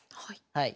はい。